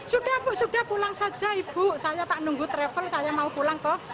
sudah bu sudah pulang saja ibu saya tak nunggu travel saya mau pulang kok